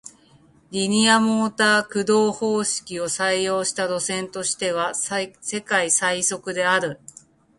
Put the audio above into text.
リニアモーター駆動方式を採用した路線としては世界最速である